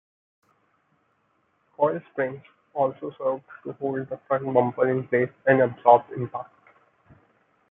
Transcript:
Coil springs also served to hold the front bumper in place and absorb impact.